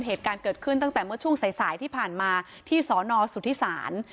เหตุการณ์เกิดขึ้นตั้งแต่เมื่อช่วงสายสายที่ผ่านมาที่สอนอสุทธิศาล